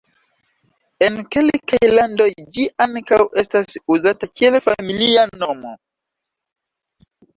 En kelkaj landoj ĝi ankaŭ estas uzata kiel familia nomo.